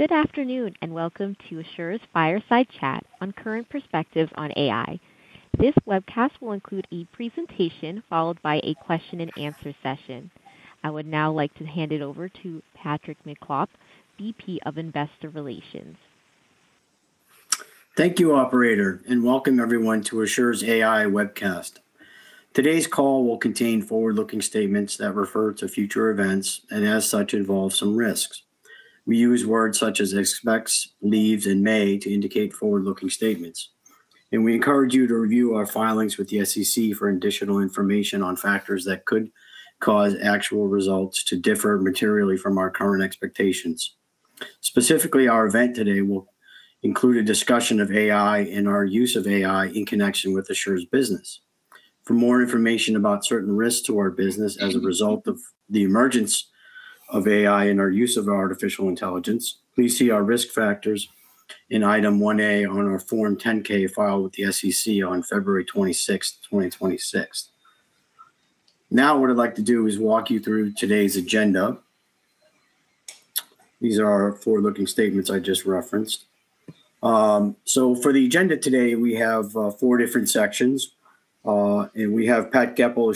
Good afternoon, and welcome to Asure's Fireside Chat on Current Perspective on AI. This webcast will include a presentation followed by a question and answer session. I would now like to hand it over to Patrick McKillop, VP of Investor Relations. Thank you, operator, and welcome everyone to Asure's AI webcast. Today's call will contain forward-looking statements that refer to future events and as such involve some risks. We use words such as expects, leaves, and may to indicate forward-looking statements. We encourage you to review our filings with the SEC for additional information on factors that could cause actual results to differ materially from our current expectations. Specifically, our event today will include a discussion of AI, and our use of AI in connection with Asure's business. For more information about certain risks to our business as a result of the emergence of AI and our use of artificial intelligence, please see our risk factors in Item 1A on our Form 10-K filed with the SEC on February 26, 2026. Now, what I'd like to do is walk you through today's agenda. These are our forward-looking statements I just referenced. For the agenda today, we have four different sections. We have Pat Goepel,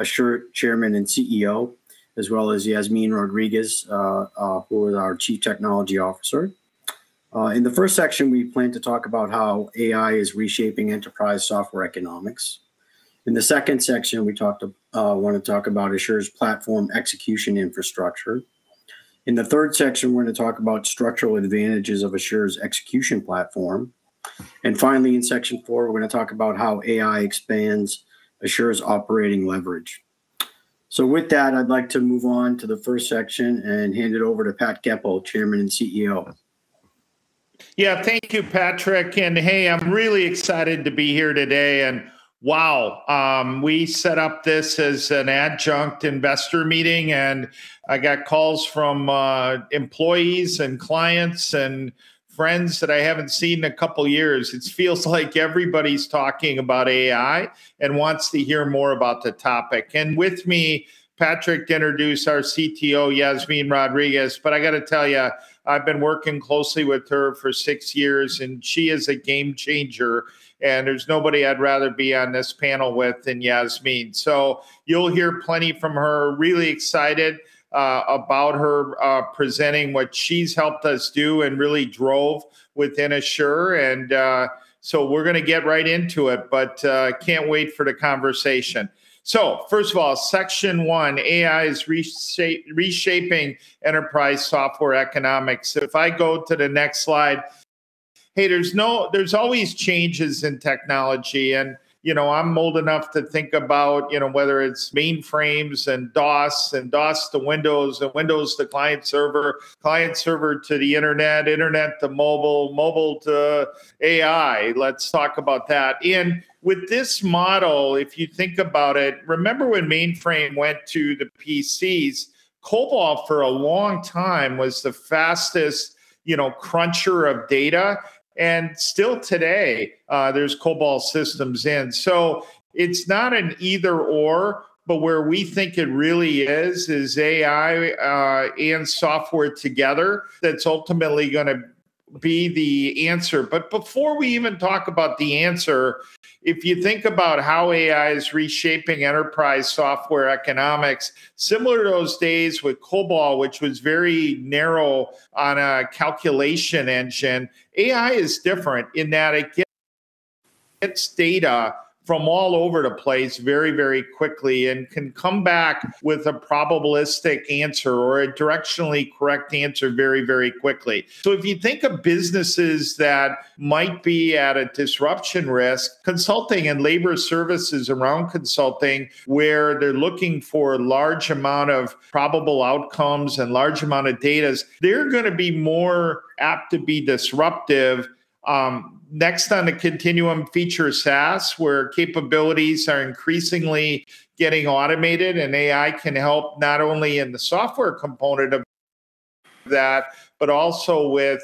Asure Chairman and CEO, as well as Yasmine Rodriguez, who is our Chief Technology Officer. In the first section, we plan to talk about how AI is reshaping enterprise software economics. In the second section, we wanna talk about Asure's platform execution infrastructure. In the third section, we're gonna talk about structural advantages of Asure's execution platform. Finally, in section four, we're gonna talk about how AI expands Asure's operating leverage. With that, I'd like to move on to the first section and hand it over to Pat Goepel, Chairman and CEO. Yeah. Thank you, Patrick. Hey, I'm really excited to be here today. Wow, we set up this as an adjunct investor meeting, and I got calls from employees and clients and friends that I haven't seen in a couple of years. It feels like everybody's talking about AI and wants to hear more about the topic. With me, Patrick introduced our CTO, Yasmine Rodriguez. I gotta tell you, I've been working closely with her for six years, and she is a game changer, and there's nobody I'd rather be on this panel with than Yasmine. You'll hear plenty from her. Really excited about her presenting what she's helped us do and really drove within Asure. We're gonna get right into it, but can't wait for the conversation. First of all, section one, AI is reshaping enterprise software economics. If I go to the next slide. Hey, there's always changes in technology, and, I'm old enough to think about whether it's mainframes and DOS to Windows to client server to the Internet to mobile to AI. Let's talk about that. With this model, if you think about it, remember when mainframe went to the PCs, COBOL for a long time was the fastest cruncher of data. Still today, there's COBOL systems in. It's not an either/or, but where we think it really is AI and software together that's ultimately gonna be the answer. Before we even talk about the answer, if you think about how AI is reshaping enterprise software economics, similar to those days with COBOL, which was very narrow on a calculation engine, AI is different in that it gets data from all over the place very, very quickly and can come back with a probabilistic answer or a directionally correct answer very, very quickly. If you think of businesses that might be at a disruption risk, consulting and labor services around consulting, where they're looking for a large amount of probable outcomes and large amount of data, they're gonna be more apt to be disruptive. Next on the continuum for SaaS, where capabilities are increasingly getting automated, and AI can help not only in the software component of that, but also with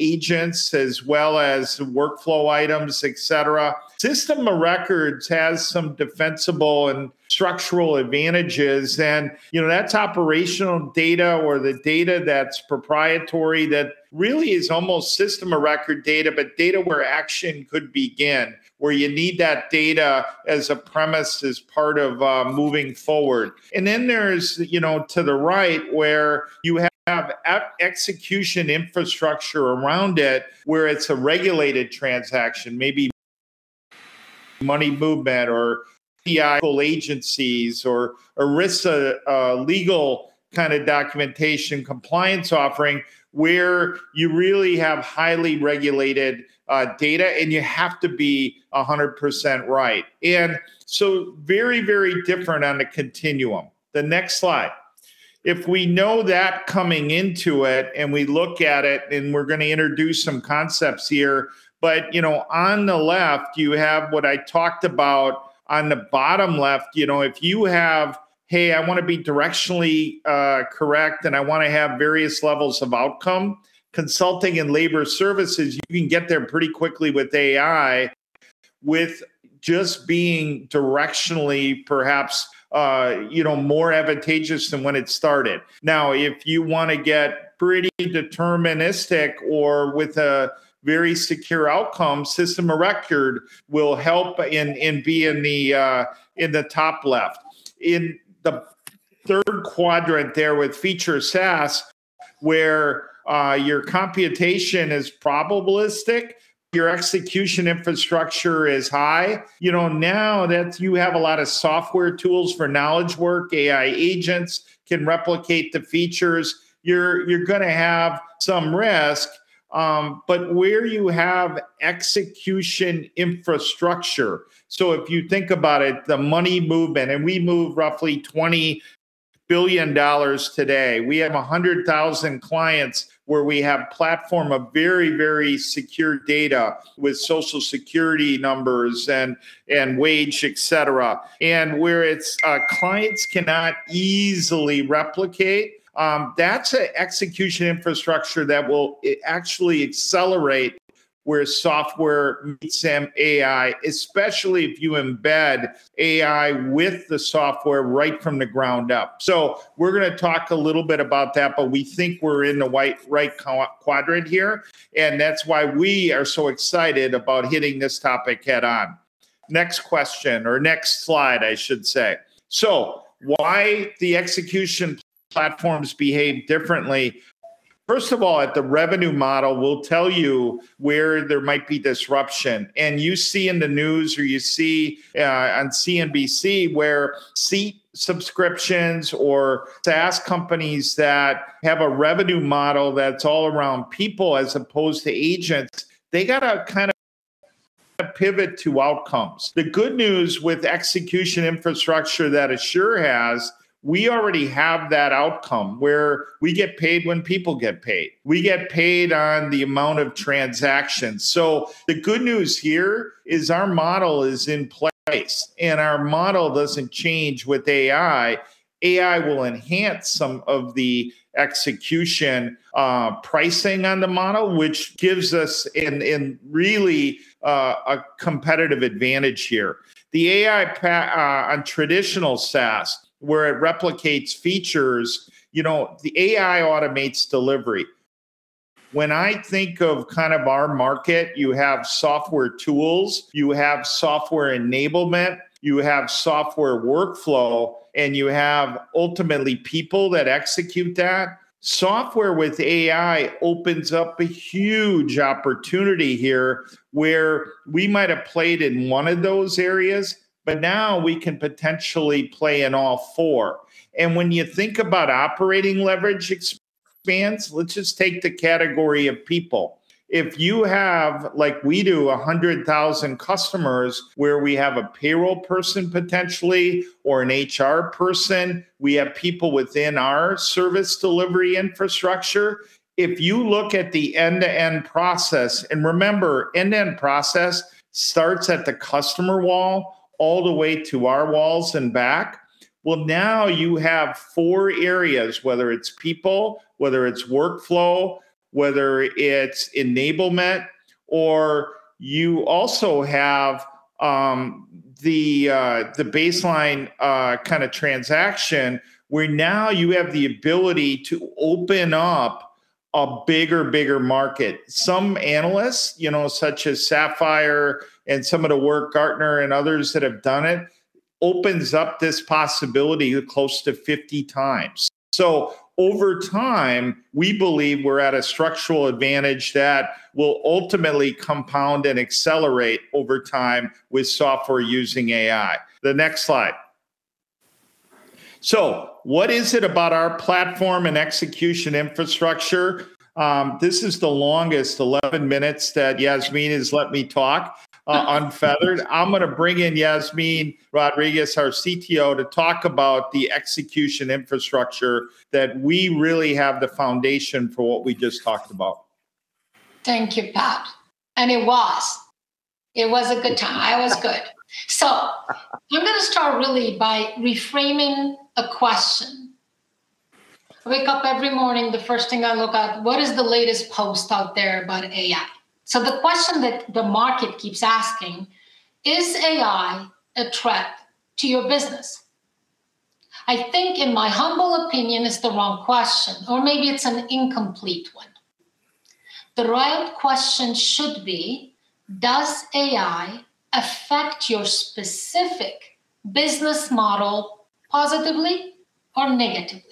agents as well as workflow items, etc. System of records has some defensible and structural advantages, and that's operational data or the data that's proprietary that really is almost system of record data, but data where action could begin, where you need that data as a premise, as part of moving forward. There's to the right where you have execution infrastructure around it, where it's a regulated transaction, maybe money movement or API agencies or a risk legal kinda documentation compliance offering where you really have highly regulated data, and you have to be 100% right. Very, very different on the continuum. The next slide. If we know that coming into it and we look at it, and we're gonna introduce some concepts here, but on the left, you have what I talked about on the bottom left, if you have, hey, I wanna be directionally correct, and I wanna have various levels of outcome, consulting and labor services, you can get there pretty quickly with AI. With just being directionally, perhaps, more advantageous than when it started. Now, if you wanna get pretty deterministic or with a very secure outcome, system of record will help in the top left. In the third quadrant there with feature SaaS, where your computation is probabilistic, your execution infrastructure is high, now that you have a lot of software tools for knowledge work, AI agents can replicate the features, you're gonna have some risk, but where you have execution infrastructure. If you think about it, the money movement, and we move roughly $20 billion today. We have 100,000 clients where we have platform of very, very secure data with Social Security numbers and wage, et cetera. Where its clients cannot easily replicate, that's a execution infrastructure that will actually accelerate where software meets an AI, especially if you embed AI with the software right from the ground up. We're gonna talk a little bit about that, but we think we're in the right quadrant here, and that's why we are so excited about hitting this topic head on. Next question or next slide, I should say. Why the execution platforms behave differently. First of all, the revenue model will tell you where there might be disruption. You see in the news or you see on CNBC where seat subscriptions or SaaS companies that have a revenue model that's all around people as opposed to agents, they gotta kinda pivot to outcomes. The good news with execution infrastructure that Asure has, we already have that outcome where we get paid when people get paid. We get paid on the amount of transactions. The good news here is our model is in place, and our model doesn't change with AI. AI will enhance some of the execution, pricing on the model, which gives us in really a competitive advantage here. The AI on traditional SaaS, where it replicates features, the AI automates delivery. When I think of kind of our market, you have software tools, you have software enablement, you have software workflow, and you have ultimately people that execute that. Software with AI opens up a huge opportunity here where we might have played in one of those areas, but now we can potentially play in all four. When you think about operating leverage expense, let's just take the category of people. If you have, like we do, 100,000 customers where we have a payroll person potentially or an HR person, we have people within our service delivery infrastructure. If you look at the end-to-end process, and remember, end-to-end process starts at the customer wall all the way to our walls and back. Well, now you have four areas, whether it's people, whether it's workflow, whether it's enablement, or you also have the baseline kind of transaction, where now you have the ability to open up a bigger market. Some analysts, such as Sapphire and some of the work Gartner and others that have done it, opens up this possibility close to 50 times. Over time, we believe we're at a structural advantage that will ultimately compound and accelerate over time with software using AI. The next slide. What is it about our platform and execution infrastructure? This is the longest 11 minutes that Yasmine has let me talk unfettered. I'm gonna bring in Yasmine Rodriguez, our CTO, to talk about the execution infrastructure that we really have the foundation for, what we just talked about. Thank you, Pat. It was a good time. I was good. I'm gonna start really by reframing a question. I wake up every morning, the first thing I look at, what is the latest post out there about AI? The question that the market keeps asking, is AI a threat to your business? I think in my humble opinion it's the wrong question, or maybe it's an incomplete one. The right question should be, does AI affect your specific business model positively or negatively?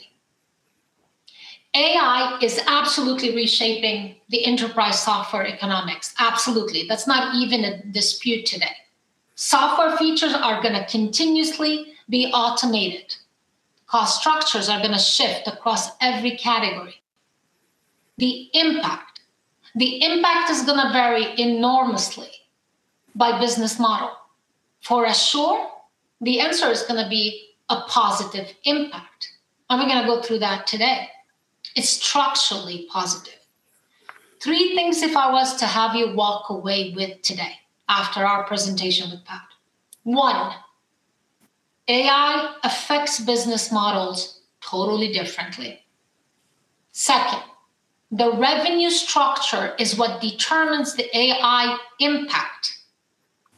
AI is absolutely reshaping the enterprise software economics. Absolutely. That's not even a dispute today. Software features are gonna continuously be automated. Cost structures are gonna shift across every category. The impact is gonna vary enormously by business model. For Asure, the answer is gonna be a positive impact, and we're gonna go through that today. It's structurally positive. Three things if I was to have you walk away with today after our presentation with Pat. One AI affects business models totally differently. Second, the revenue structure is what determines the AI impact.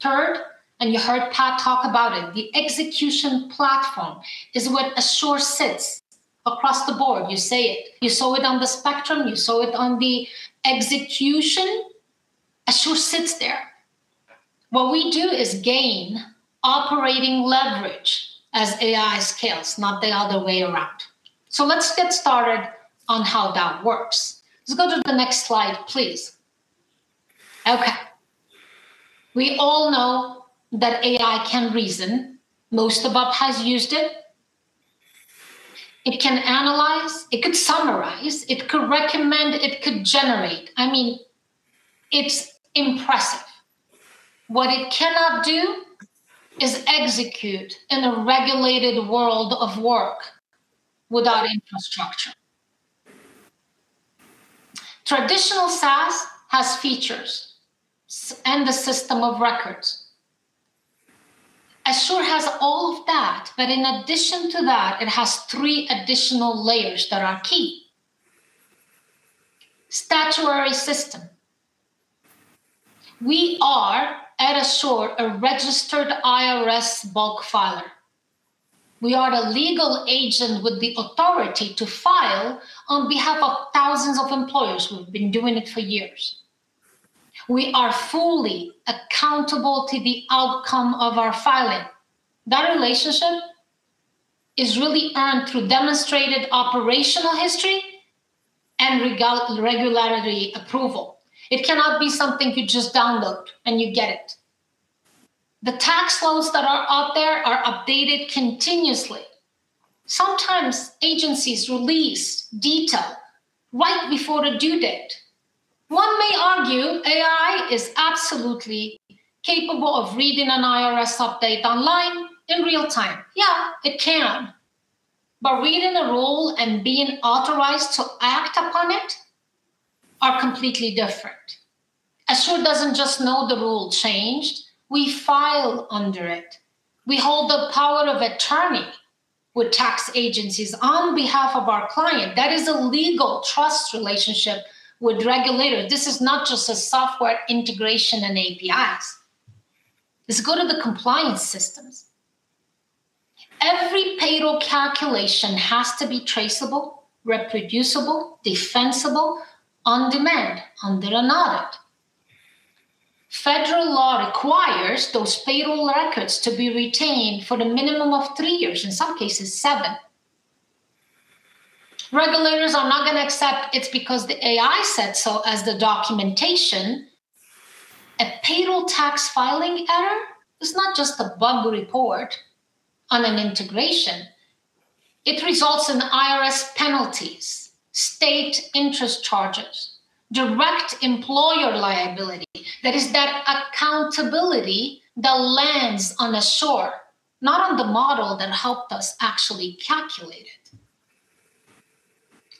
Third, and you heard Pat talk about it, the execution platform is where Asure sits across the board. You saw it on the spectrum, you saw it on the execution. Asure sits there. What we do is gain operating leverage as AI scales, not the other way around. Let's get started on how that works. Let's go to the next slide, please. Okay. We all know that AI can reason. Most of us has used it. It can analyze, it could summarize, it could recommend, it could generate. I mean, it's impressive. What it cannot do is execute in a regulated world of work without infrastructure. Traditional SaaS has features and a system of records. Asure has all of that, but in addition to that, it has three additional layers that are key. Statutory system. We are, at Asure, a registered IRS bulk filer. We are the legal agent with the authority to file on behalf of thousands of employers. We've been doing it for years. We are fully accountable to the outcome of our filing. That relationship is really earned through demonstrated operational history and regularity approval. It cannot be something you just download, and you get it. The tax laws that are out there are updated continuously. Sometimes agencies release detail right before a due date. One may argue AI is absolutely capable of reading an IRS update online in real-time. Yeah, it can. But reading a rule and being authorized to act upon it are completely different. Asure doesn't just know the rule changed, we file under it. We hold the power of attorney with tax agencies on behalf of our client. That is a legal trust relationship with the regulator. This is not just a software integration and APIs. Let's go to the compliance systems. Every payroll calculation has to be traceable, reproducible, defensible on demand under an audit. Federal law requires those payroll records to be retained for the minimum of three years, in some cases, seven. Regulators are not gonna accept it's because the AI said so as the documentation. A payroll tax filing error is not just a bug report on an integration. It results in IRS penalties, state interest charges, direct employer liability. That is that accountability that lands on Asure, not on the model that helped us actually calculate it.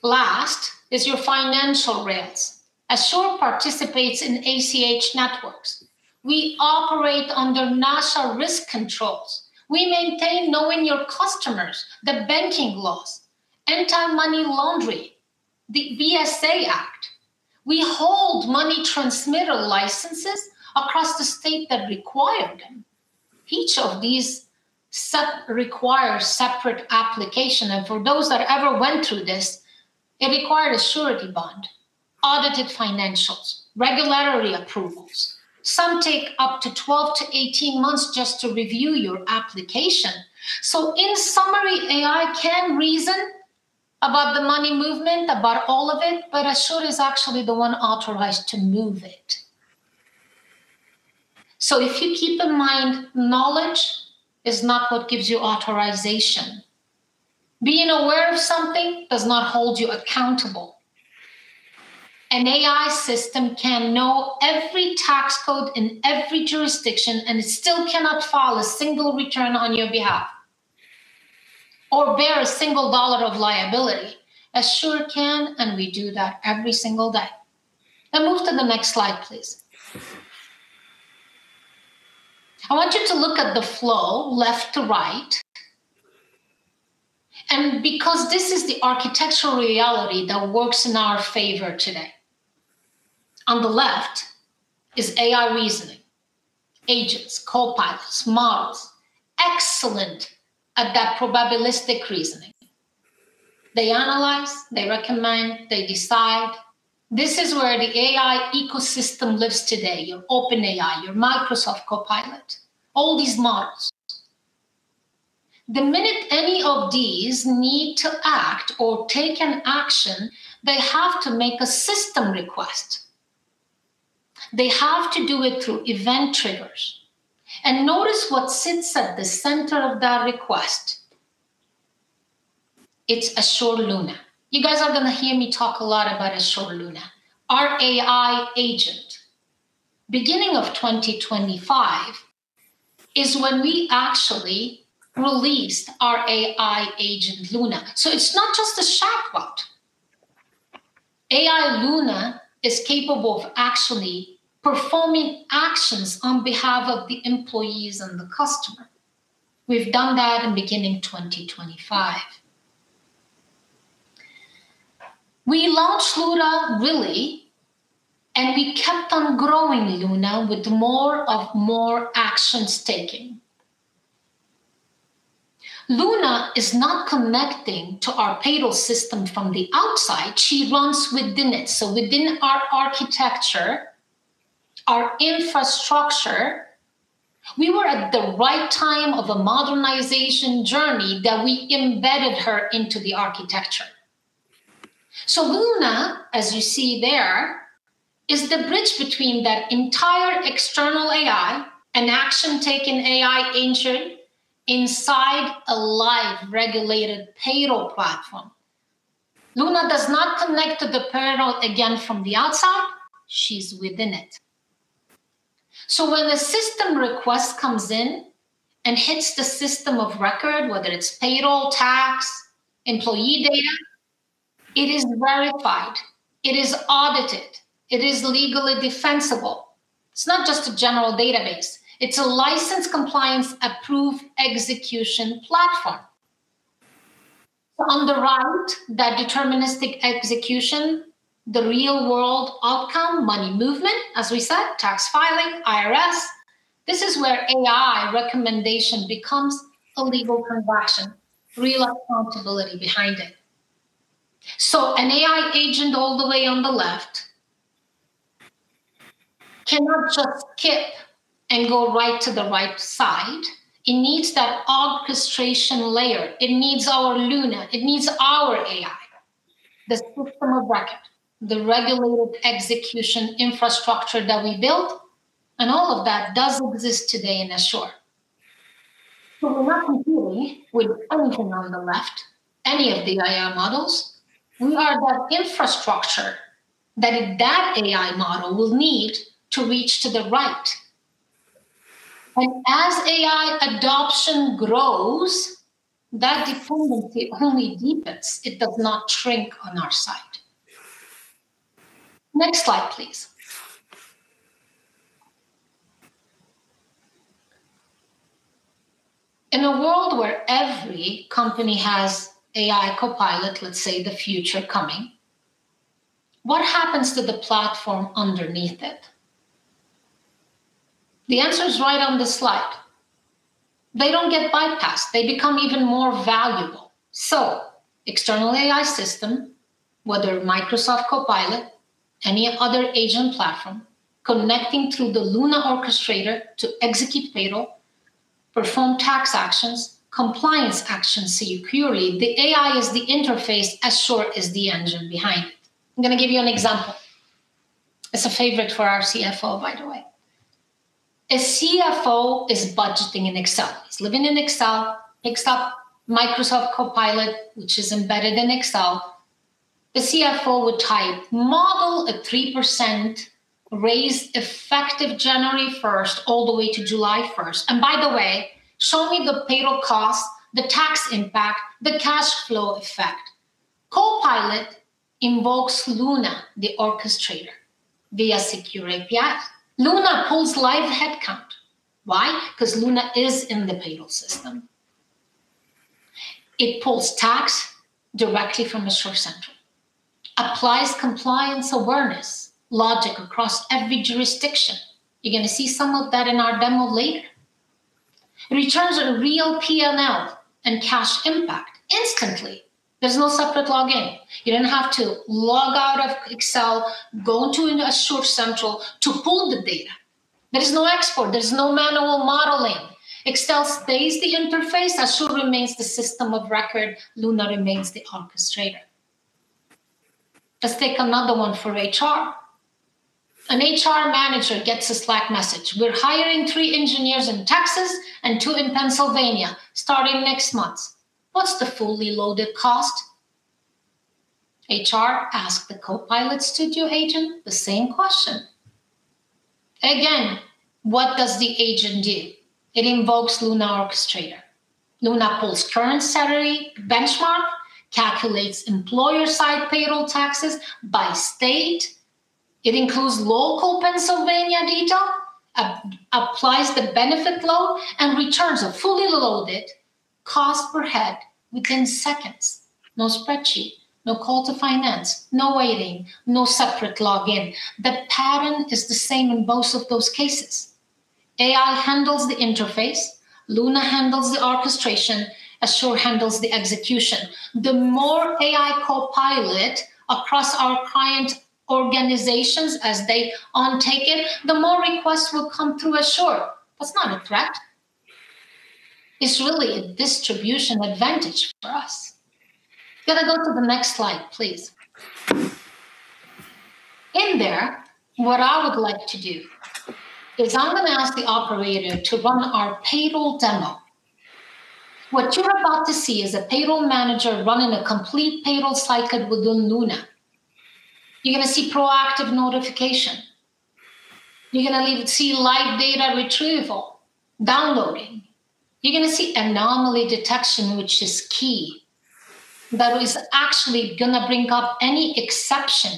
Last is your financial risks. Asure participates in ACH networks. We operate under NACHA risk controls. We maintain knowing your customers, the banking laws, anti-money laundering, the BSA Act. We hold money transmitter licenses across the state that require them. Each of these require separate application, and for those that ever went through this, it required a surety bond, audited financials, regulatory approvals. Some take up to 12-18 months just to review your application. In summary, AI can reason about the money movement, about all of it, but Asure is actually the one authorized to move it. If you keep in mind, knowledge is not what gives you authorization. Being aware of something does not hold you accountable. An AI system can know every tax code in every jurisdiction, and it still cannot file a single return on your behalf or bear a single dollar of liability. Asure can, and we do that every single day. Now move to the next slide, please. I want you to look at the flow left to right, and because this is the architectural reality that works in our favor today. On the left is AI reasoning, agents, copilots, models. Excellent at that probabilistic reasoning. They analyze, they recommend, they decide. This is where the AI ecosystem lives today, your OpenAI, your Microsoft Copilot, all these models. The minute any of these need to act or take an action, they have to make a system request. They have to do it through event triggers. Notice what sits at the center of that request. It's Asure Luna. You guys are gonna hear me talk a lot about Asure Luna, our AI agent. Beginning of 2025 is when we actually released our AI agent, Luna. It's not just a chatbot AI Luna is capable of actually performing actions on behalf of the employees and the customer. We've done that in beginning 2025. We launched Luna really, and we kept on growing Luna with more actions taking. Luna is not connecting to our payroll system from the outside, she runs within it. Within our architecture, our infrastructure, we were at the right time of a modernization journey that we embedded her into the architecture. Luna, as you see there, is the bridge between that entire external AI and action-taking AI engine inside a live regulated payroll platform. Luna does not connect to the payroll again from the outside, she's within it. When a system request comes in and hits the system of record, whether it's payroll, tax, employee data, it is verified, it is audited, it is legally defensible. It's not just a general database, it's a license compliance approved execution platform. On the right, that deterministic execution, the real-world outcome, money movement, as we said, tax filing, IRS, this is where AI recommendation becomes a legal transaction. Real accountability behind it. An AI agent all the way on the left cannot just skip and go right to the right side. It needs that orchestration layer. It needs our Luna. It needs our AI. The system of record, the regulated execution infrastructure that we built, and all of that does exist today in Asure. We're not competing with anything on the left, any of the AI models. We are that infrastructure that AI model will need to reach to the right. As AI adoption grows, that dependency only deepens. It does not shrink on our side. Next slide, please. In a world where every company has AI copilot, let's say the future coming, what happens to the platform underneath it? The answer is right on the slide. They don't get bypassed. They become even more valuable. External AI system, whether Microsoft Copilot, any other agent platform, connecting through the Luna orchestrator to execute payroll, perform tax actions, compliance actions securely. The AI is the interface, Asure is the engine behind it. I'm gonna give you an example. It's a favorite for our CFO, by the way. A CFO is budgeting in Excel. He's living in Excel, picks up Microsoft Copilot, which is embedded in Excel. The CFO would type, "Model a 3% raise effective January first all the way to July first. And by the way, show me the payroll cost, the tax impact, the cash flow effect." Copilot invokes Luna, the orchestrator, via secure API. Luna pulls live headcount. Why? 'Cause Luna is in the payroll system. It pulls tax directly from Asure Central, applies compliance awareness logic across every jurisdiction. You're gonna see some of that in our demo later. It returns a real P&L and cash impact instantly. There's no separate login. You don't have to log out of Excel, go into Asure Central to pull the data. There is no export. There's no manual modeling. Excel stays the interface, Asure remains the system of record, Luna remains the orchestrator. Let's take another one for HR. An HR manager gets a Slack message: "We're hiring three engineers in Texas and two in Pennsylvania starting next month. What's the fully loaded cost?" HR ask the Copilot Studio agent the same question. Again, what does the agent do? It invokes Luna orchestrator. Luna pulls current salary benchmark, calculates employer-side payroll taxes by state. It includes local Pennsylvania data, applies the benefit load, and returns a fully loaded cost per head within seconds. No spreadsheet, no call to finance, no waiting, no separate login. The pattern is the same in both of those cases. AI handles the interface, Luna handles the orchestration, Asure handles the execution. The more AI copilot across our client organizations as they intake it, the more requests will come through Asure. That's not a threat. It's really a distribution advantage for us. Can I go to the next slide, please? In there, what I would like to do is I'm gonna ask the operator to run our payroll demo. What you're about to see is a payroll manager running a complete payroll cycle within Luna. You're gonna see proactive notification. You're gonna see live data retrieval, downloading. You're gonna see anomaly detection, which is key. That is actually gonna bring up any exception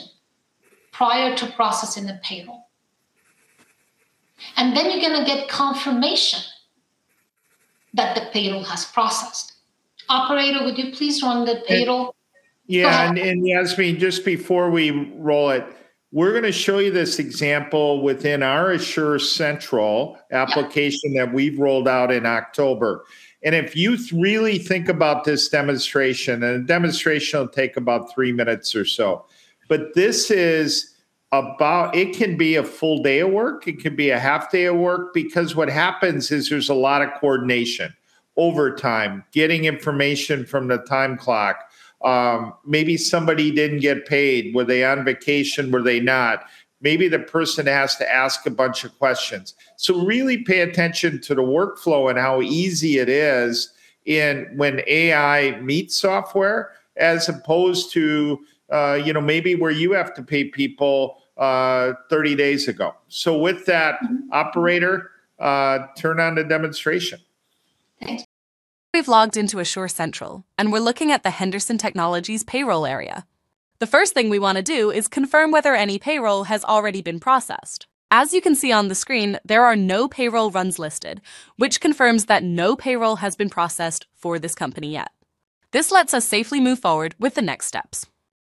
prior to processing the payroll. Then you're gonna get confirmation that the payroll has processed. Operator, would you please run the payroll? Yeah. Yasmine, just before we roll it, we're gonna show you this example within our Asure Central application that we've rolled out in October. If you really think about this demonstration, the demonstration will take about three minutes or so. This is about it can be a full day of work, it can be a half day of work because what happens is there's a lot of coordination over time, getting information from the time clock. Maybe somebody didn't get paid. Were they on vacation? Were they not? Maybe the person has to ask a bunch of questions. Really pay attention to the workflow and how easy it is in when AI meets software as opposed to maybe where you have to pay people, 30 days ago. With that, operator, turn on the demonstration. We've logged into Asure Central, and we're looking at the Henderson Technology payroll area. The first thing we wanna do is confirm whether any payroll has already been processed. As you can see on the screen, there are no payroll runs listed, which confirms that no payroll has been processed for this company yet. This lets us safely move forward with the next steps.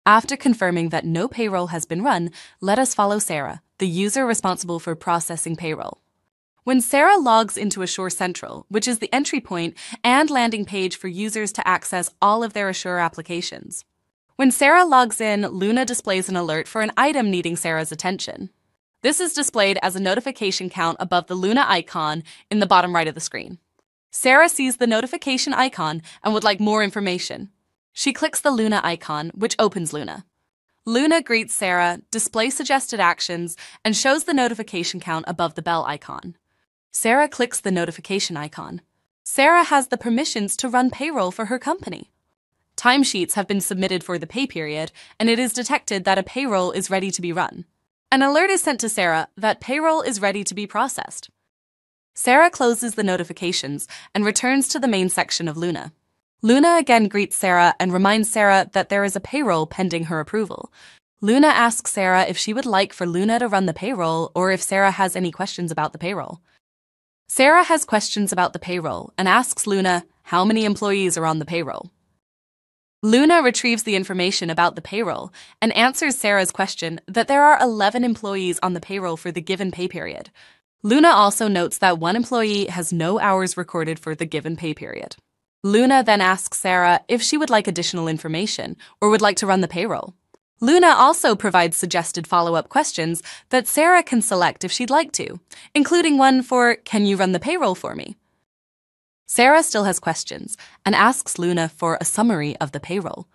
After confirming that no payroll has been run, let us follow Sarah, the user responsible for processing payroll. When Sarah logs into Asure Central, which is the entry point and landing page for users to access all of their Asure applications. When Sarah logs in, Luna displays an alert for an item needing Sarah's attention. This is displayed as a notification count above the Luna icon in the bottom right of the screen. Sarah sees the notification icon and would like more information. She clicks the Luna icon, which opens Luna. Luna greets Sarah, displays suggested actions, and shows the notification count above the bell icon. Sarah clicks the notification icon. Sarah has the permissions to run payroll for her company. Timesheets have been submitted for the pay period, and it is detected that a payroll is ready to be run. An alert is sent to Sarah that payroll is ready to be processed. Sarah closes the notifications and returns to the main section of Luna. Luna again greets Sarah and reminds Sarah that there is a payroll pending her approval. Luna asks Sarah if she would like for Luna to run the payroll or if Sarah has any questions about the payroll. Sarah has questions about the payroll and asks Luna how many employees are on the payroll. Luna retrieves the information about the payroll and answers Sarah's question that there are 11 employees on the payroll for the given pay period. Luna also notes that one employee has no hours recorded for the given pay period. Luna then asks Sarah if she would like additional information or would like to run the payroll. Luna also provides suggested follow-up questions that Sarah can select if she'd like to, including one for, "Can you run the payroll for me?" Sarah still has questions and asks Luna for a summary of the payroll.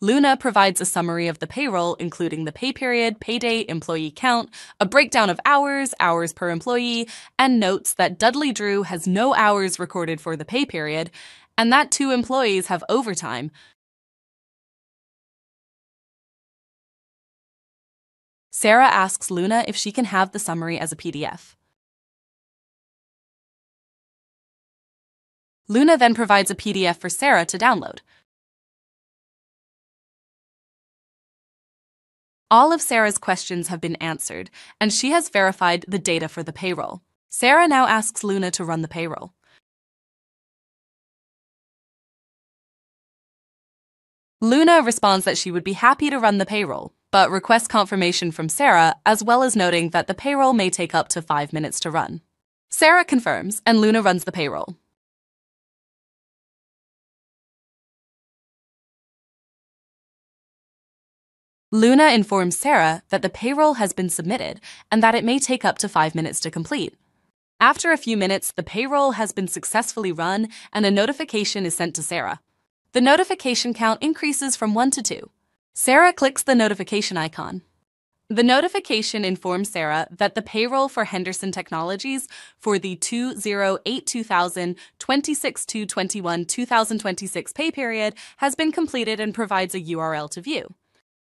Luna provides a summary of the payroll, including the pay period, pay date, employee count, a breakdown of hours per employee, and notes that Dudley Drew has no hours recorded for the pay period and that two employees have overtime. Sarah asks Luna if she can have the summary as a PDF. Luna provides a PDF for Sarah to download. All of Sarah's questions have been answered, and she has verified the data for the payroll. Sarah now asks Luna to run the payroll. Luna responds that she would be happy to run the payroll, but requests confirmation from Sarah, as well as noting that the payroll may take up to five minutes to run. Sarah confirms, and Luna runs the payroll. Luna informs Sarah that the payroll has been submitted and that it may take up to five minutes to complete. After a few minutes, the payroll has been successfully run, and a notification is sent to Sarah. The notification count increases from one to two. Sarah clicks the notification icon. The notification informs Sarah that the payroll for Henderson Technology for the 2/08/2026-2/21/2026 pay period has been completed and provides a URL to view.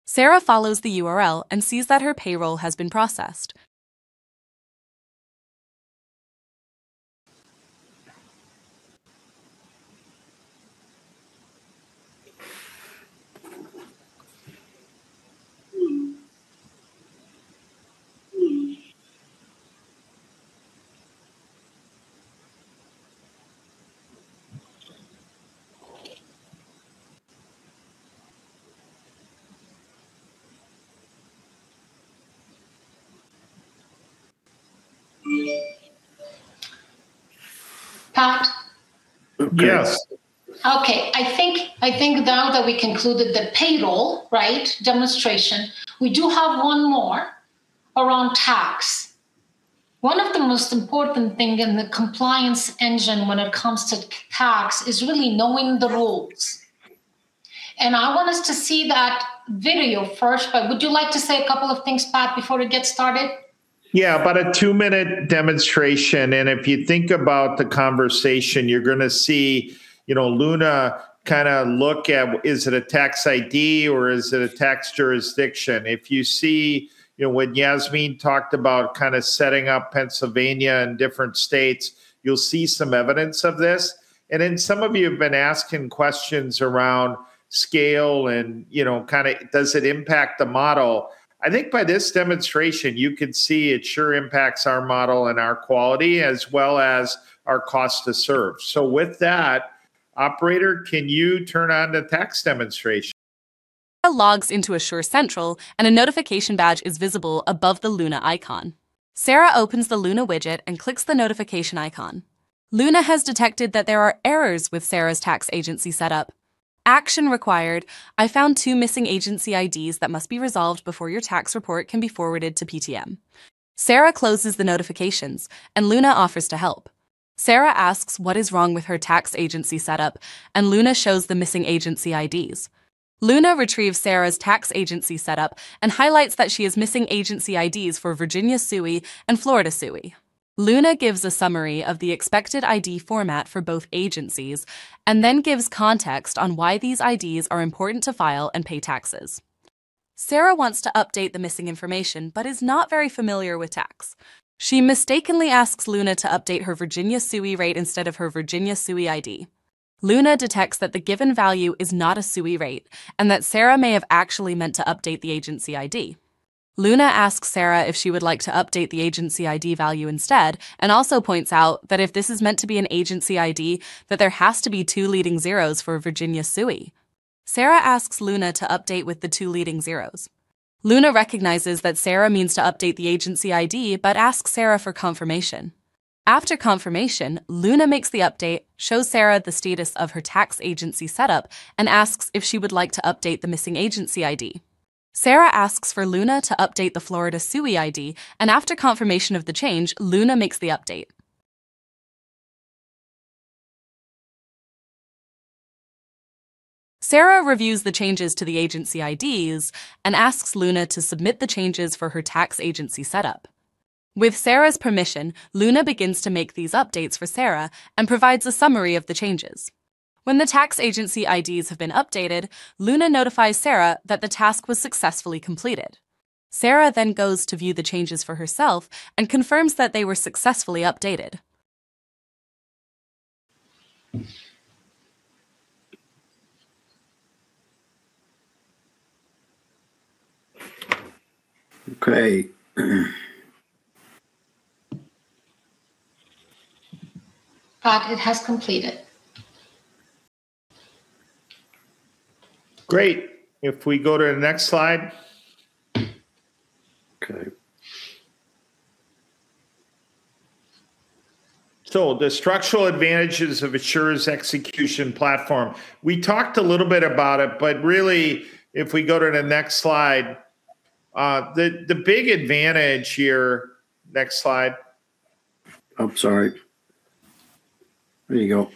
Sarah follows the URL and sees that her payroll has been processed. Pat. Yes. Okay. I think now that we concluded the payroll, right, demonstration, we do have one more around tax. One of the most important thing in the compliance engine when it comes to tax is really knowing the rules. I want us to see that video first, but would you like to say a couple of things, Pat, before we get started? Yeah, about a two-minute demonstration. If you think about the conversation, you're gonna see Luna kinda look at is it a tax ID or is it a tax jurisdiction? If you see when Yasmine talked about kinda setting up Pennsylvania and different states, you'll see some evidence of this. Some of you have been asking questions around scale and kinda does it impact the model. I think by this demonstration you can see it sure impacts our model and our quality as well as our cost to serve. With that, operator, can you turn on the tax demonstration? Logs into Asure Central, and a notification badge is visible above the Luna icon. Sarah opens the Luna widget and clicks the notification icon. Luna has detected that there are errors with Sarah's tax agency setup. "Action required. I found two missing agency IDs that must be resolved before your tax report can be forwarded to PTM." Sarah closes the notifications and Luna offers to help. Sarah asks what is wrong with her tax agency setup, and Luna shows the missing agency IDs. Luna retrieves Sarah's tax agency setup and highlights that she is missing agency IDs for Virginia SUI and Florida SUI. Luna gives a summary of the expected ID format for both agencies and then gives context on why these IDs are important to file and pay taxes. Sarah wants to update the missing information, but is not very familiar with tax. She mistakenly asks Luna to update her Virginia SUI rate instead of her Virginia SUI ID. Luna detects that the given value is not a SUI rate, and that Sarah may have actually meant to update the agency ID. Luna asks Sarah if she would like to update the agency ID value instead, and also points out that if this is meant to be an agency ID, that there has to be two leading zeros for Virginia SUI. Sarah asks Luna to update with the two leading zeros. Luna recognizes that Sarah means to update the agency ID, but asks Sarah for confirmation. After confirmation, Luna makes the update, shows Sarah the status of her tax agency setup, and asks if she would like to update the missing agency ID. Sarah asks for Luna to update the Florida SUI ID, and after confirmation of the change, Luna makes the update. Sarah reviews the changes to the agency IDs and asks Luna to submit the changes for her tax agency setup. With Sarah's permission, Luna begins to make these updates for Sarah and provides a summary of the changes. When the tax agency IDs have been updated, Luna notifies Sarah that the task was successfully completed. Sarah goes to view the changes for herself and confirms that they were successfully updated. Okay. Pat, it has completed. Great. If we go to the next slide. Okay. The structural advantages of Asure's execution platform. We talked a little bit about it, but really if we go to the next slide, the big advantage here. Next slide. I'm sorry. There you go.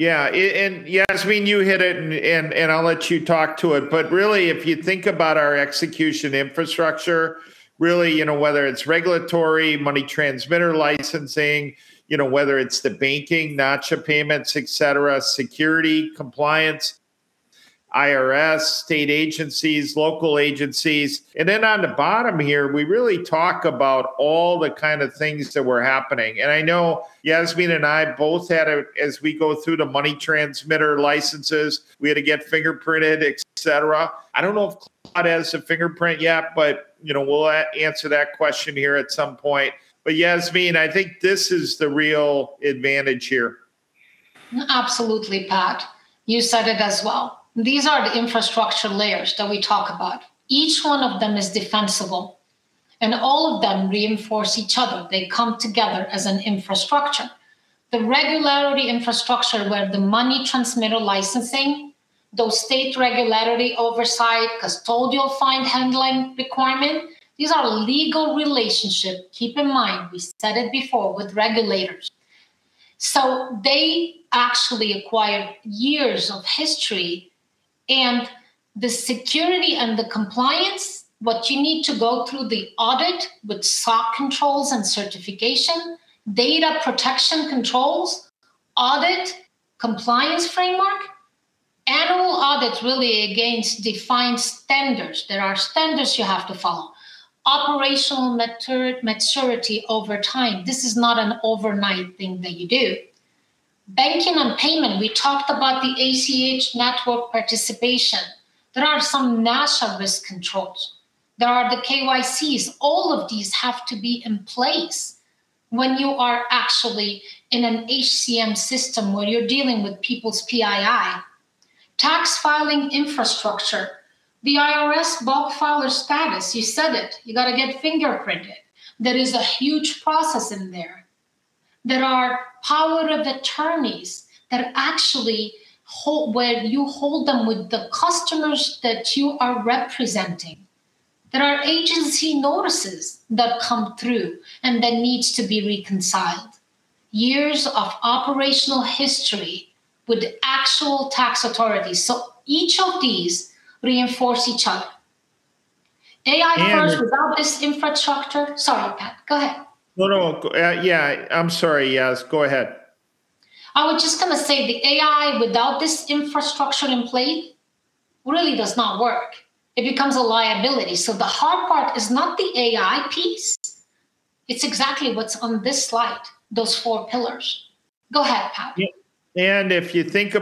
Yeah. And Yasmine, you hit it and I'll let you talk to it, but really if you think about our execution infrastructure, really whether it's regulatory, money transmitter licensing, whether it's the banking, Nacha payments, et cetera, security, compliance, IRS, state agencies, local agencies. Then on the bottom here, we really talk about all the kinda things that were happening. I know Yasmine and I both had as we go through the money transmitter licenses, we had to get fingerprinted, et cetera. I don't know if Claude has a fingerprint yet, but we'll answer that question here at some point. But Yasmine, I think this is the real advantage here. Absolutely, Pat. You said it as well. These are the infrastructure layers that we talk about. Each one of them is defensible, and all of them reinforce each other. They come together as an infrastructure. The regulatory infrastructure where the money transmitter licensing, those state regulatory oversight, custodial fund handling requirement, these are legal relationship, keep in mind, we said it before, with regulators. They actually acquire years of history. The security and the compliance, what you need to go through the audit with SOC controls and certification, data protection controls, audit, compliance framework, annual audits really against defined standards. There are standards you have to follow. Operational maturity over time. This is not an overnight thing that you do. Banking and payment, we talked about the ACH network participation. There are some Nacha risk controls. There are the KYC. All of these have to be in place when you are actually in an HCM system where you're dealing with people's PII. Tax filing infrastructure, the IRS bulk filer status, you said it, you gotta get fingerprinted. There is a huge process in there. There are power of attorneys that actually where you hold them with the customers that you are representing. There are agency notices that come through and that needs to be reconciled. Years of operational history with actual tax authorities. Each of these reinforce each other. AI first without this infrastructure. Sorry, Pat, go ahead. No, no. Yeah, I'm sorry, Yas, go ahead. I was just gonna say, the AI without this infrastructure in play really does not work. It becomes a liability. The hard part is not the AI piece, it's exactly what's on this slide, those four pillars. Go ahead, Pat. If you think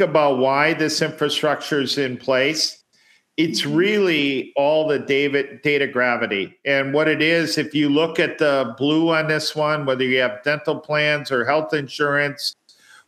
about why this infrastructure's in place. It's really all the data gravity. What it is, if you look at the blue on this one, whether you have dental plans or health insurance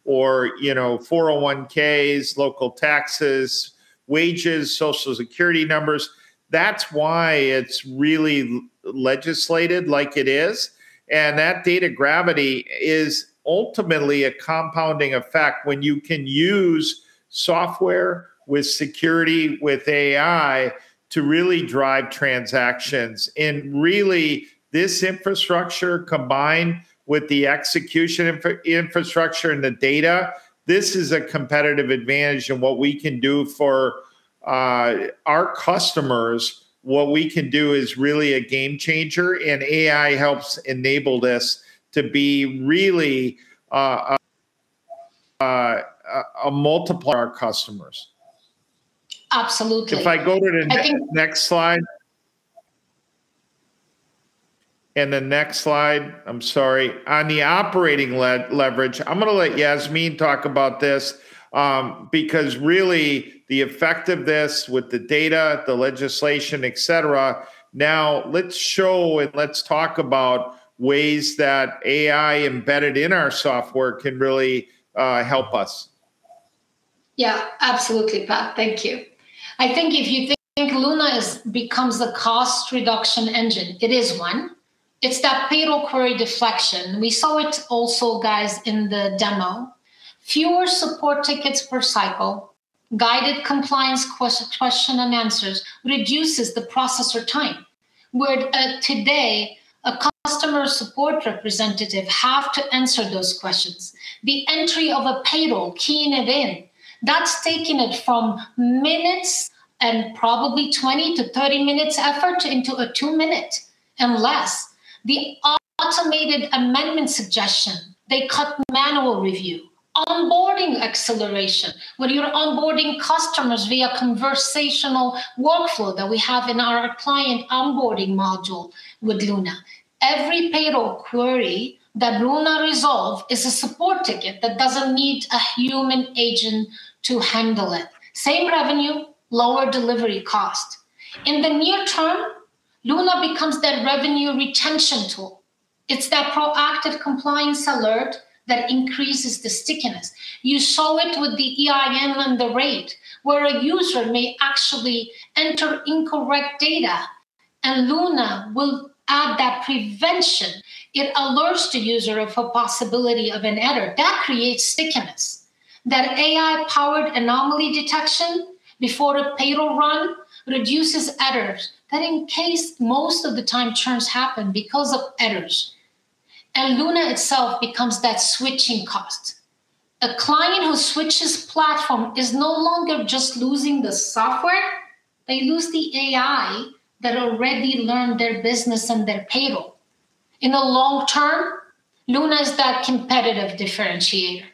or 401(k)s, local taxes, wages, Social Security numbers, that's why it's really legislated like it is. That data gravity is ultimately a compounding effect when you can use software with security, with AI to really drive transactions. Really, this infrastructure combined with the execution infrastructure and the data, this is a competitive advantage in what we can do for our customers. What we can do is really a game changer, and AI helps enable this to be really a multiplier customers. Absolutely. If I go to the next slide. I'm sorry. On the operating leverage, I'm gonna let Yasmine talk about this, because really the effect of this with the data, the legislation, et cetera, now let's show and let's talk about ways that AI embedded in our software can really help us. Yeah, absolutely, Pat. Thank you. I think if you think Luna becomes the cost reduction engine, it is one. It's that payroll query deflection. We saw it also, guys, in the demo. Fewer support tickets per cycle, guided compliance question and answers reduces the processor time. Where today a customer support representative have to answer those questions. The entry of a payroll, keying it in, that's taking it from minutes and probably 20-30 minutes effort into a two-minute and less. The automated amendment suggestion, they cut manual review. Onboarding acceleration, whether you're onboarding customers via conversational workflow that we have in our client onboarding module with Luna. Every payroll query that Luna resolve is a support ticket that doesn't need a human agent to handle it. Same revenue, lower delivery cost. In the near term, Luna becomes that revenue retention tool. It's that proactive compliance alert that increases the stickiness. You saw it with the EIN and the rate, where a user may actually enter incorrect data, and Luna will add that prevention. It alerts the user of a possibility of an error. That creates stickiness. That AI-powered anomaly detection before a payroll run reduces errors that, in most cases, most of the time churn happens because of errors. Luna itself becomes that switching cost. A client who switches platform is no longer just losing the software, they lose the AI that already learned their business and their payroll. In the long term, Luna is that competitive differentiator,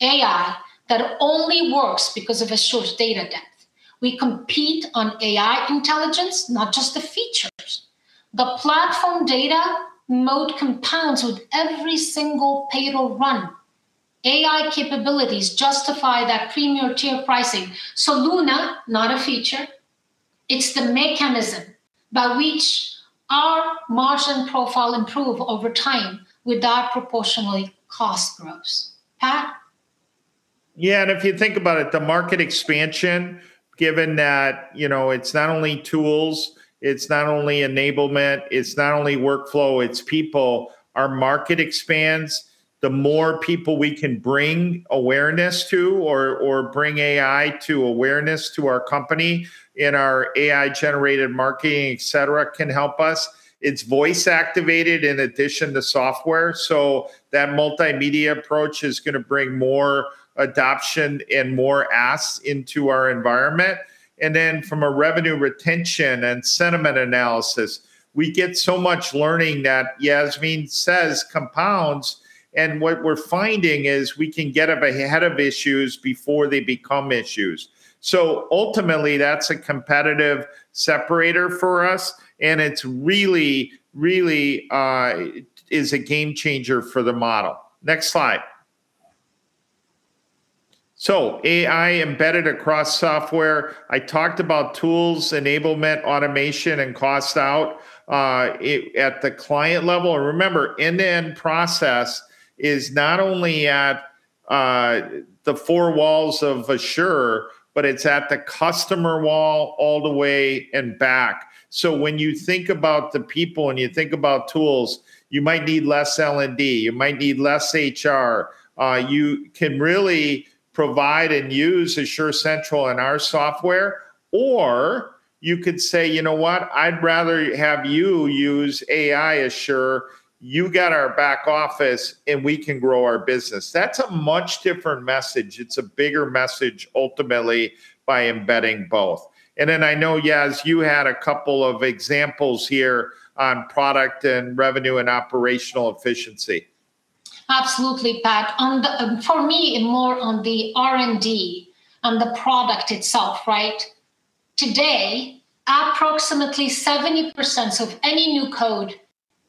AI that only works because of Asure's data depth. We compete on AI intelligence, not just the features. The platform data moat compounds with every single payroll run. AI capabilities justify that premier tier pricing. Luna, not a feature, it's the mechanism by which our margin profile improve over time without proportionally cost grows. Pat? Yeah. If you think about it, the market expansion, given that it's not only tools, it's not only enablement, it's not only workflow, it's people, our market expands, the more people we can bring awareness to or bring AI to awareness to our company and our AI-generated marketing, et cetera, can help us. It's voice activated in addition to software, so that multimedia approach is gonna bring more adoption and more asks into our environment. From a revenue retention and sentiment analysis, we get so much learning that Yasmine says compounds, and what we're finding is we can get ahead of issues before they become issues. Ultimately, that's a competitive separator for us, and it's really, really is a game changer for the model. Next slide. AI embedded across software. I talked about tools, enablement, automation, and cost out, it. at the client level. Remember, end-to-end process is not only at the four walls of Asure, but it's at the customer wall all the way and back. When you think about the people and you think about tools, you might need less L&D, you might need less HR. You can really provide and use Asure Central and our software, or you could say, "You know what? I'd rather have you use AI Asure. You get our back office, and we can grow our business." That's a much different message. It's a bigger message ultimately by embedding both. Then I know, Yas, you had a couple of examples here on product and revenue and operational efficiency. Absolutely, Pat. On the, for me, more on the R&D and the product itself, right? Today, approximately 70% of any new code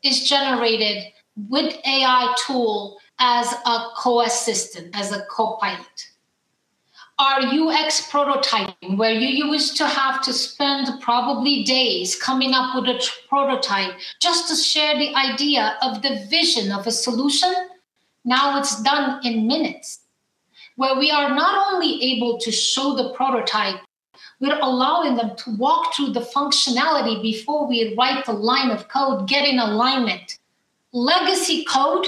is generated with AI tool as a co-assistant, as a copilot. Our UX prototyping, where you used to have to spend probably days coming up with a prototype just to share the idea of the vision of a solution, now it's done in minutes. Where we are not only able to show the prototype, we're allowing them to walk through the functionality before we write the line of code, get in alignment. Legacy code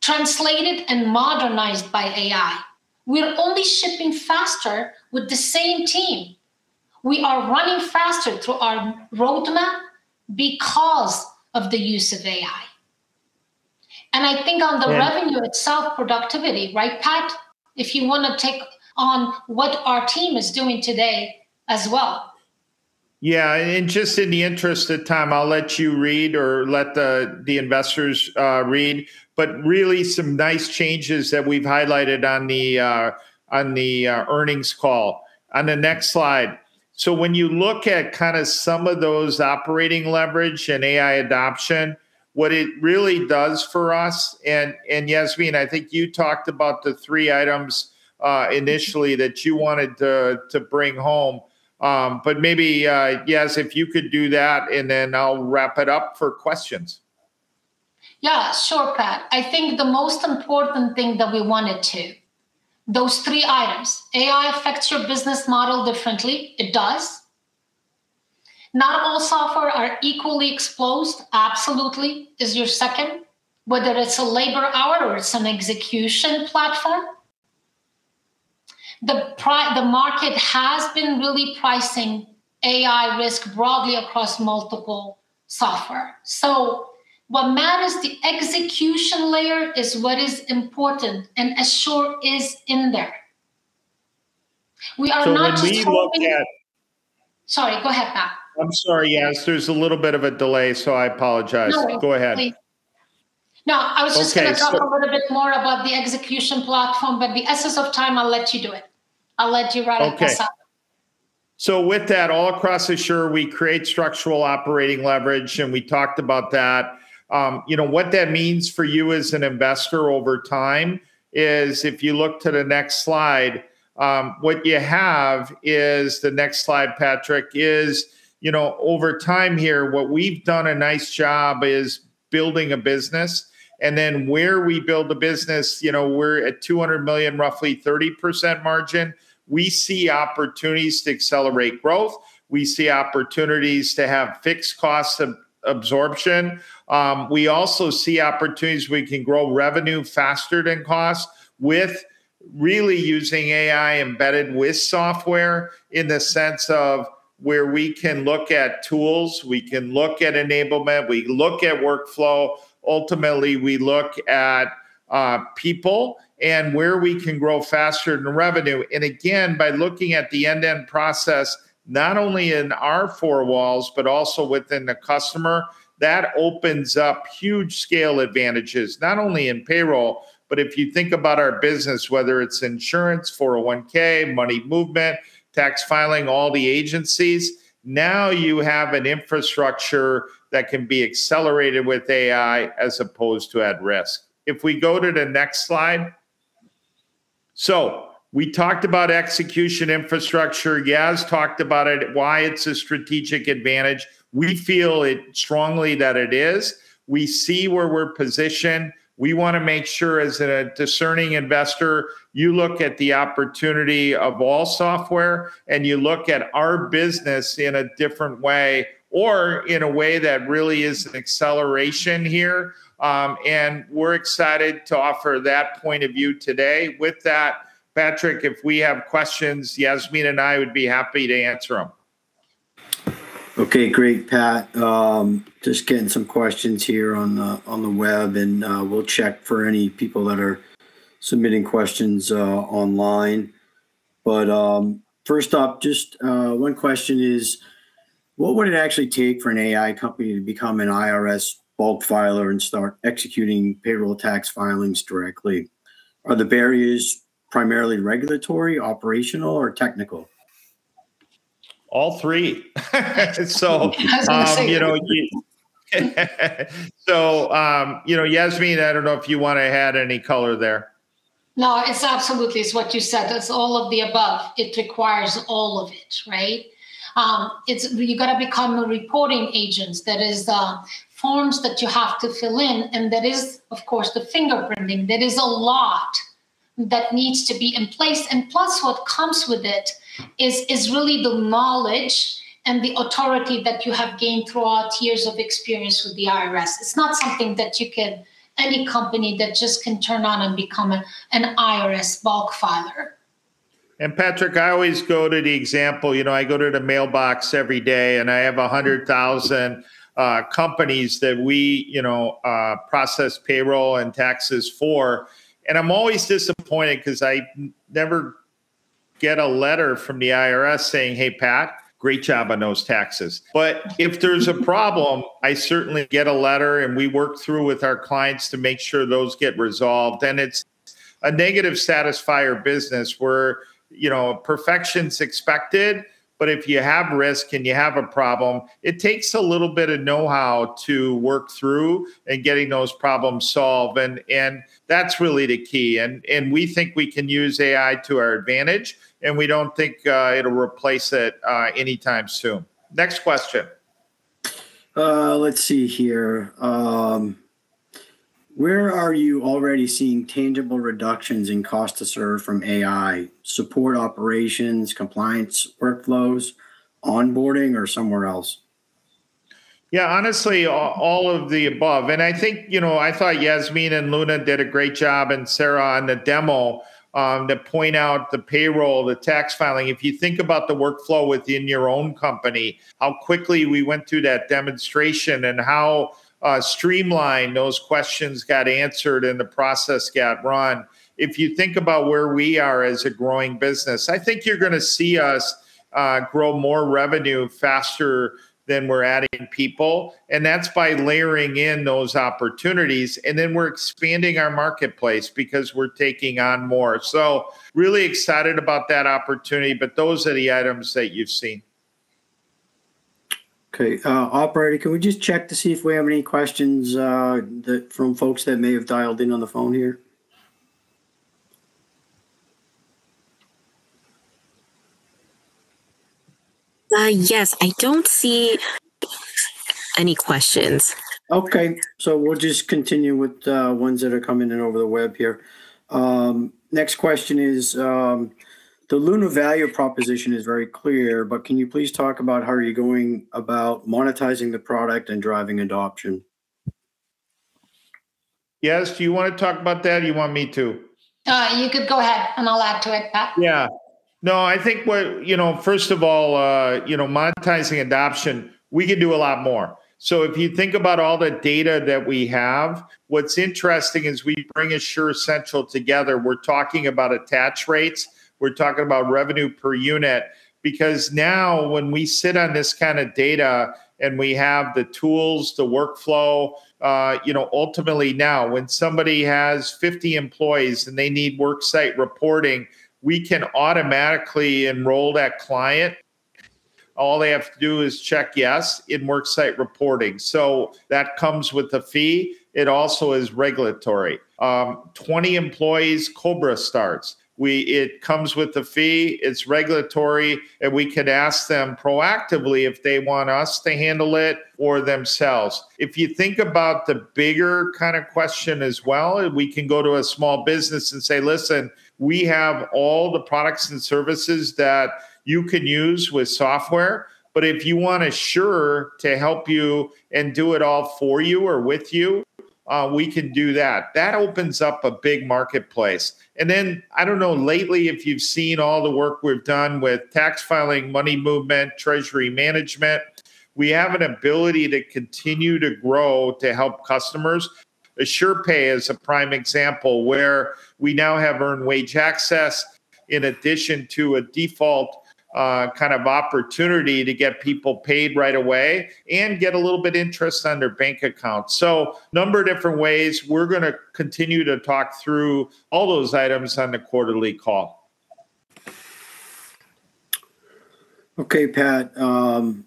translated and modernized by AI. We're only shipping faster with the same team. We are running faster through our roadmap because of the use of AI. I think on the revenue itself, productivity, right, Pat? If you wanna take on what our team is doing today as well. Yeah. Just in the interest of time, I'll let you read or let the investors read, but really some nice changes that we've highlighted on the earnings call. On the next slide. When you look at kinda some of those operating leverage and AI adoption, what it really does for us and Yasmine, I think you talked about the three items initially that you wanted to bring home. Maybe, Yas, if you could do that, and then I'll wrap it up for questions. Yeah. Sure, Pat. I think the most important thing that we wanted to, those three items, AI affects your business model differently. It does. Not all software are equally exposed, absolutely, is your second, whether it's a labor hour or it's an execution platform. The market has been really pricing AI risk broadly across multiple software. So what matters, the execution layer is what is important, and Asure is in there. We are not hoping. When we look at Sorry. Go ahead, Pat. I'm sorry, Yas. There's a little bit of a delay, so I apologize. No. Go ahead. No, I was just gonna talk a little bit more about the execution platform, but in the essence of time, I'll let you do it. I'll let you run it this time. Okay. With that, all across Asure, we create structural operating leverage, and we talked about that. What that means for you as an investor over time is if you look to the next slide, what you have is. The next slide, Patrick, is over time here, what we've done a nice job is building a business, and then where we build the business, we're at $200 million, roughly 30% margin. We see opportunities to accelerate growth. We see opportunities to have fixed cost absorption. We also see opportunities we can grow revenue faster than cost with really using AI embedded with software in the sense of where we can look at tools, we can look at enablement, we look at workflow. Ultimately, we look at people and where we can grow faster the revenue. By looking at the end-to-end process, not only in our four walls, but also within the customer, that opens up huge scale advantages, not only in payroll, but if you think about our business, whether it's insurance, 401(k), money movement, tax filing, all the agencies, now you have an infrastructure that can be accelerated with AI as opposed to at risk. If we go to the next slide. We talked about execution infrastructure. Yasmine talked about it, why it's a strategic advantage. We feel it strongly that it is. We see where we're positioned. We wanna make sure as a discerning investor, you look at the opportunity of Asure software, and you look at our business in a different way or in a way that really is an acceleration here. We're excited to offer that point of view today. With that, Patrick, if we have questions, Yasmine and I would be happy to answer them. Okay. Great, Pat. Just getting some questions here on the web, and we'll check for any people that are submitting questions online. First up, just one question is: What would it actually take for an AI company to become an IRS bulk filer and start executing payroll tax filings directly? Are the barriers primarily regulatory, operational or technical? All three. I was gonna say. Yasmine, I don't know if you wanna add any color there. No, it's absolutely, it's what you said. It's all of the above. It requires all of it, right? It's you gotta become a reporting agent, that is, the forms that you have to fill in, and that is, of course, the fingerprinting. There is a lot that needs to be in place. Plus, what comes with it is really the knowledge and the authority that you have gained throughout years of experience with the IRS. It's not something that any company can just turn on and become an IRS bulk filer. Patrick, I always go to the example, I go to the mailbox every day, and I have 100,000 companies that we process payroll and taxes for, and I'm always disappointed because I never get a letter from the IRS saying, "Hey, Pat, great job on those taxes." If there's a problem, I certainly get a letter, and we work through with our clients to make sure those get resolved. It's a negative satisfier business where perfection is expected, but if you have risk and you have a problem, it takes a little bit of know-how to work through in getting those problems solved, and that's really the key. We think we can use AI to our advantage, and we don't think it'll replace it anytime soon. Next question. Let's see here. Where are you already seeing tangible reductions in cost to serve from AI? Support operations, compliance, workflows, onboarding or somewhere else? Yeah. Honestly, all of the above. I think I thought Yasmine and Luna did a great job, and Sarah on the demo to point out the payroll, the tax filing. If you think about the workflow within your own company, how quickly we went through that demonstration and how streamlined those questions got answered and the process got run. If you think about where we are as a growing business, I think you're gonna see us grow more revenue faster than we're adding people, and that's by layering in those opportunities, and then we're expanding our marketplace because we're taking on more. Really excited about that opportunity, but those are the items that you've seen. Okay. Operator, can we just check to see if we have any questions from folks that may have dialed in on the phone here? Yes. I don't see any questions. Okay. We'll just continue with ones that are coming in over the web here. Next question is, "The Luna value proposition is very clear, but can you please talk about how are you going about monetizing the product and driving adoption? Yas, do you wanna talk about that or you want me to? You could go ahead, and I'll add to it, Pat. Yeah. No, I think what first of all, monetizing adoption, we could do a lot more. If you think about all the data that we have, what's interesting is we bring Asure Essential together. We're talking about attach rates. We're talking about revenue per unit. Because now when we sit on this kind of data and we have the tools, the workflow, ultimately now, when somebody has 50 employees and they need work site reporting, we can automatically enroll that client. All they have to do is check yes in work site reporting. That comes with a fee. It also is regulatory. 20 employees, COBRA starts. It comes with a fee, it's regulatory, and we can ask them proactively if they want us to handle it or themselves. If you think about the bigger kind of question as well, we can go to a small business and say, "Listen, we have all the products and services that you can use with software, but if you want Asure to help you and do it all for you or with you, we can do that." That opens up a big marketplace. Then, I don't know, lately, if you've seen all the work we've done with tax filing, money movement, treasury management. We have an ability to continue to grow to help customers. AsurePay is a prime example where we now have earned wage access in addition to a default, kind of opportunity to get people paid right away and get a little bit interest on their bank account. Number of different ways, we're gonna continue to talk through all those items on the quarterly call. Okay, Pat.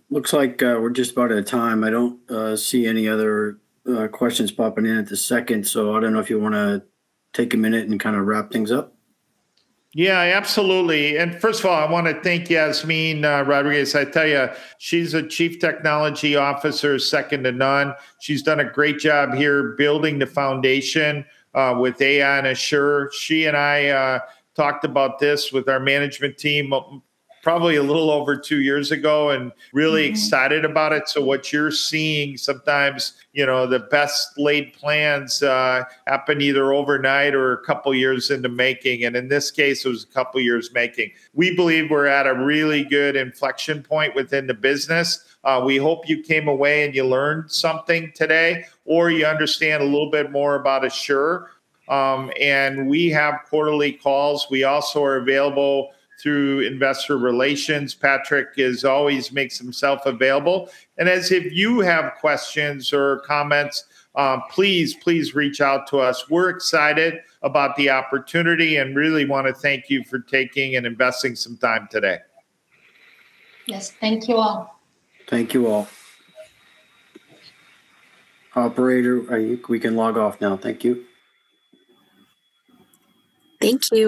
Looks like we're just about out of time. I don't see any other questions popping in at this second, so I don't know if you wanna take a minute and kind of wrap things up. Yeah, absolutely. First of all, I wanna thank Yasmine Rodriguez. I tell you, she's a Chief Technology Officer second to none. She's done a great job here building the foundation with AI and Asure. She and I talked about this with our management team probably a little over two years ago and really excited about it. What you're seeing sometimes, the best laid plans happen either overnight or a couple years in the making, and in this case, it was a couple years making. We believe we're at a really good inflection point within the business. We hope you came away and you learned something today or you understand a little bit more about Asure. And we have quarterly calls. We also are available through investor relations. Patrick always makes himself available. As if you have questions or comments, please reach out to us. We're excited about the opportunity and really wanna thank you for taking and investing some time today. Yes, thank you all. Thank you all. Operator, I think we can log off now. Thank you. Thank you.